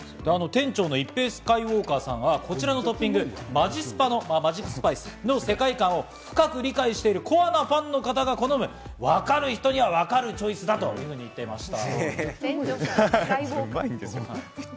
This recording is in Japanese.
店長のイッペイ・スカイウォーカーさんはこちらのトッピング、マジスパ、マジックスパイスの世界感を理解しているコアな人が好む、わかる人にはわかるチョイスだと言ってました。